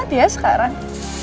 akruk banget ya sekarang